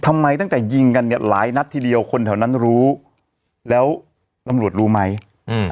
ทำไมตั้งแต่ยิงกันเนี้ยหลายนัดทีเดียวคนแถวนั้นรู้แล้วตำรวจรู้ไหมอืม